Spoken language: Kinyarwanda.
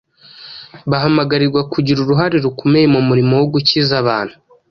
bahamagarirwa kugira uruhare rukomeye mu murimo wo gukiza abantu.